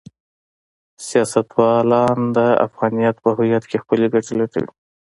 سیاستوالان د افغانیت په هویت کې خپلې ګټې لټوي.